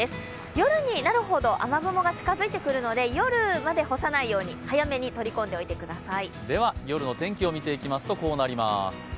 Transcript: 夜になるほど雨雲が近づいてくるので、夜まで干さないように早めに取り込んでおいてください。